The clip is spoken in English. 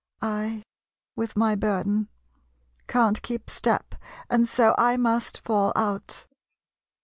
I, with my burden, can't keep step, and so I must fall out.